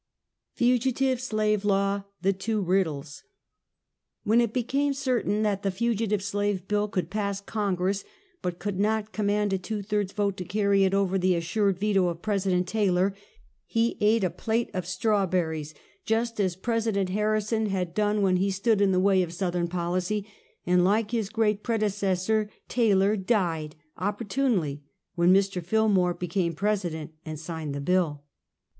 FUGITIVE SLAVE LAW. When it became certain that the Fugitive Slave Bill could pass Congress, but could not command a two thirds vote to carry it over the assured veto of Presi dent Taylor, he ate a plate of strawberries, just as President Harrison had done when he stood in the way of Southern policy, and like his great predecessor Taylor, died opportunely, when Mr. Fillmore became President, and signed the bill.